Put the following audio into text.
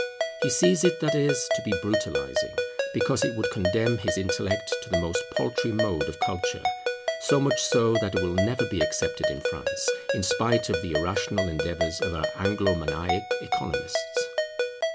He sees it, that is, to be brutalizing, because it would condemn his intellect to the most paltry mode of culture, so much so that it will never be accepted in France, in spite of the irrational endeavours of our Anglo maniac economists.